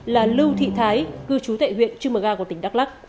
là lưu thị thái cư trú tệ huyện trưng mờ ga của tỉnh đắk lắc